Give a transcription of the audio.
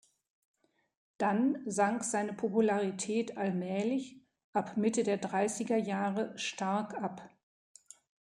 Dann sank seine Popularität allmählich, ab Mitte der dreißiger Jahre stark ab.